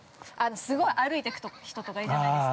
◆すごい歩いてく人とかいるじゃないですか。